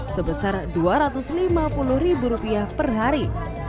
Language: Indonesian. sebesar rp dua ratus lima puluh ribu rupiah per hari